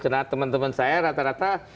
karena teman teman saya rata rata